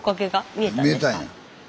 見えたんや。